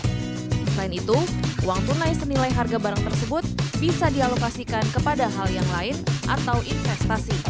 selain itu uang tunai senilai harga barang tersebut bisa dialokasikan kepada hal yang lain atau investasi